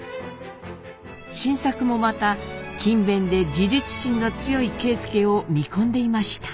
新作もまた勤勉で自立心の強い啓介を見込んでいました。